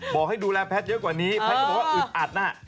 บอกให้ดูแลแพทย์เยอะกว่านี้แพทย์ก็บอกว่าอึดอัดน่ะ